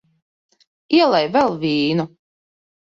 Ielej vēl vīnu.